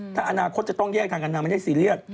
ถ้าอนาคตจะต้องแยกทางกันนางไม่ได้ซีเรียส